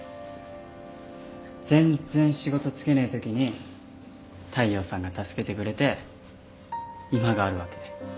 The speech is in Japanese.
全然仕事就けねえときに大陽さんが助けてくれて今があるわけ。